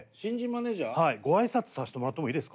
はいごあいさつさせてもらってもいいですか？